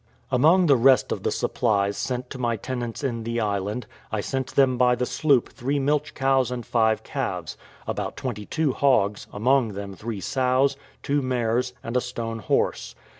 Among the rest of the supplies sent to my tenants in the island, I sent them by the sloop three milch cows and five calves; about twenty two hogs, among them three sows; two mares, and a stone horse.